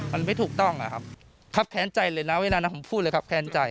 มันไม่ถูกต้องนะครับครับแค้นใจเลยนะเวลานะผมพูดเลยครับ